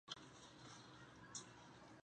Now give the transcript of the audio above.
雷彦恭生年不详。